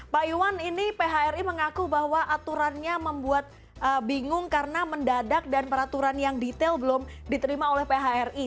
pak iwan ini phri mengaku bahwa aturannya membuat bingung karena mendadak dan peraturan yang detail belum diterima oleh phri